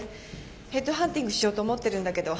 ヘッドハンティングしようと思ってるんだけどなかなかねえ。